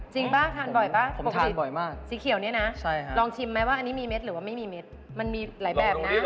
จริงป่ะทานบ่อยป่ะปกติสีเขียวนี่นะลองชิมมั้ยว่าอันนี้มีเม็ดหรือไม่มีเม็ดมันมีหลายแบบนะ